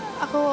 nanti aku balik